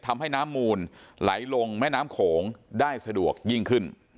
ทำให้น้ำมูลไหลลงแม่น้ำโขงได้สะดวกยิ่งขึ้น